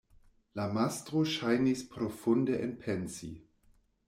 La mastro ŝajnis profunde enpensi.